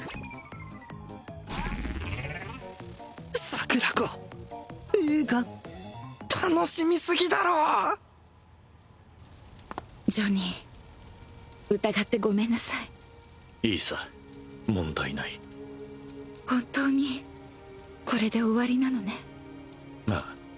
桜子映画楽しみすぎだろジョニー疑ってごめんなさいいいさ問題ない本当にこれで終わりなのねああ